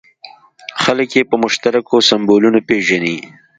خلک یې په مشترکو سیمبولونو پېژني.